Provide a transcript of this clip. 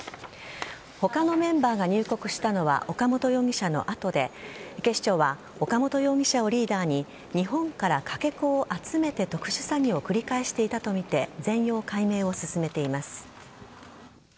他のメンバーが入国したのは岡本容疑者の後で警視庁は岡本容疑者をリーダーに日本からかけ子を集めて特殊詐欺を繰り返していたとみて全容解明を進めています。